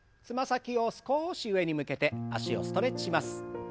つま先を少し上に向けて脚をストレッチします。